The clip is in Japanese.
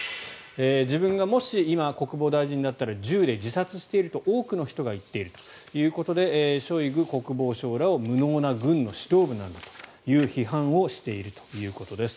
自分がもし今、国防大臣だったら銃で自殺していると多くの人が言っているということでショイグ国防相らを無能な軍の指導部なんだと批判しているということです。